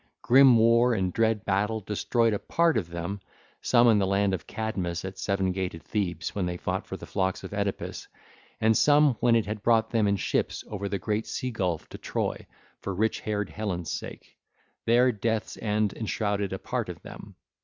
Grim war and dread battle destroyed a part of them, some in the land of Cadmus at seven gated Thebe when they fought for the flocks of Oedipus, and some, when it had brought them in ships over the great sea gulf to Troy for rich haired Helen's sake: there death's end enshrouded a part of them.